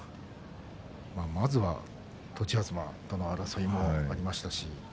まずは栃東との争いもありましたし。